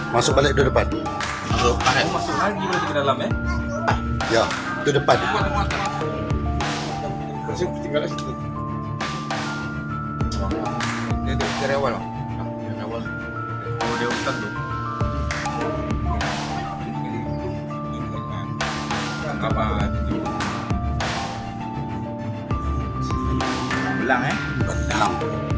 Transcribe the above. masuk balik ke depan